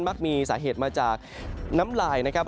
มักมีสาเหตุมาจากน้ำลายนะครับ